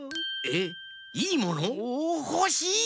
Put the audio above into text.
おほしい！